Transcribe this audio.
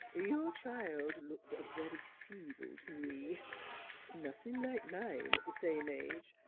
Your child looks very feeble t' me. Nothin' like mine at the same age.